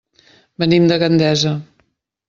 Venim de Gandesa.